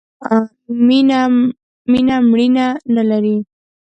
مینه مړینه نه لرئ